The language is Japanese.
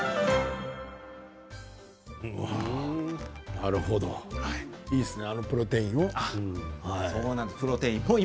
なるほどいいですね、あのプロテインを。